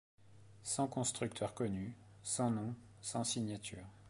Sans constructeurs connus, sans noms, sans signatures